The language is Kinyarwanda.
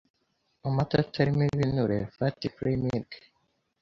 Amata atarimo ibinure fat-free milk